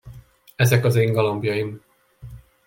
Ezek az én galambjaim!